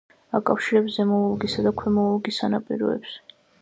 აკავშირებს ზემო ვოლგისა და ქვემო ვოლგის სანაპიროებს.